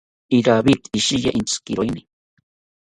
Iravid ishiya entzikiroeni